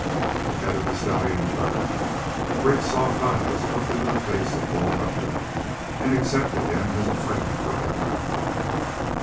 The head of the stallion turned great, soft eyes looked into the face of Bull Hunter and accepted him as a friend forever.